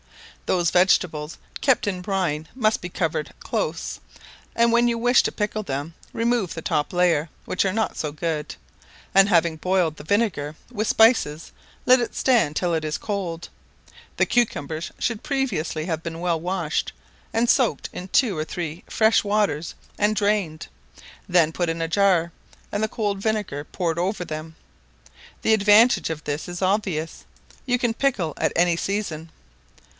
Those vegetables, kept in brine, must be covered close, and when you wish to pickle them, remove the top layer, which are not so good; and having boiled the vinegar with spices let it stand till it is cold. The cucumbers should previously have been well washed, and soaked in two or three fresh waters, and drained; then put in a jar, and the cold vinegar poured over them. The advantage of this is obvious; you can pickle at any season.